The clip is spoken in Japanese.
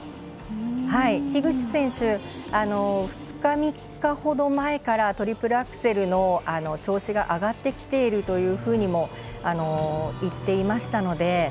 樋口選手、２日、３日前からトリプルアクセルの調子が上がってきているというふうにも言っていましたので。